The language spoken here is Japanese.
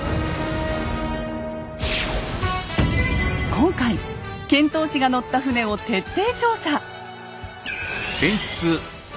今回遣唐使が乗った船を徹底調査。